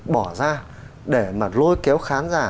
bỏ ra để mà lôi kéo khán giả